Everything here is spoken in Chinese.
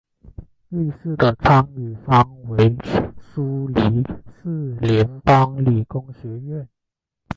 瑞士的参与方为苏黎世联邦理工学院。